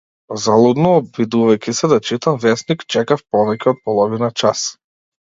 Залудно обидувајќи се да читам весник, чекав повеќе од половина час.